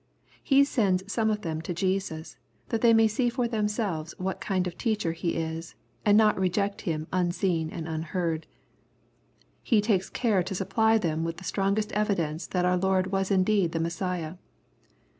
He sends some of them to Jesus, that they may see for themselves what kind of teacher He is, and not reject Him unseen and unheard. He takes care to supply them with the strongest evidence that our Lord was indeed the Mes siah.